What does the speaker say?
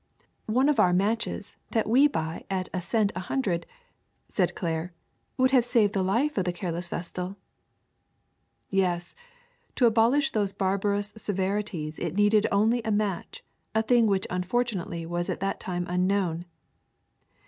One of our matches that we buy at a cent a hun 104 FIRE 105 dred/' said Claire, ^Svould have saved the life of the careless Vestal." Yes, to abolish those barbarous severities it needed only a match, a thing which unfortunately was at that time unknown.